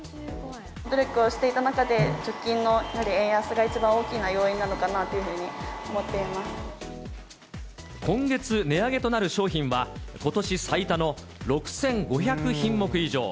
努力をしていた中で、直近のやはり円安が一番大きな要因なのかなというふうに思ってま今月値上げとなる商品は、ことし最多の６５００品目以上。